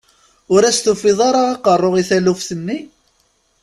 Ur as-tufiḍ ara aqerru i taluft-nni?